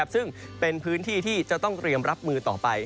ซึ่งเป็นพื้นที่ที่จะต้องเตรียมรับมือต่อไป